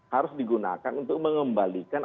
harus digunakan untuk mengembalikan